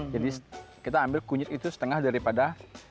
jadi kita ambil kunyit itu setengah daripada